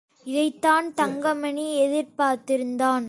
இதைத்தான் தங்கமணி எதிர்பார்த்திருந்தான்.